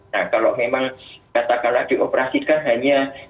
nah kalau memang katakanlah dioperasikan hanya